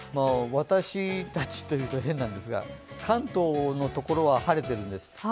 私たちというと変なんですが、関東のところは晴れているんです。